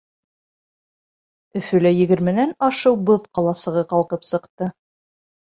Өфөлә егерменән ашыу боҙ ҡаласығы ҡалҡып сыҡты.